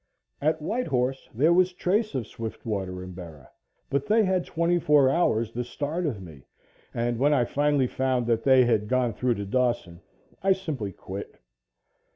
At White Horse, there was trace of Swiftwater and Bera, but they had twenty four hours the start of me and, when I finally found that they had gone through to Dawson, I simply quit.